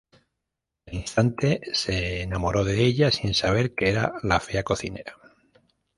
Al instante se enamoró de ella sin saber que era la fea cocinera.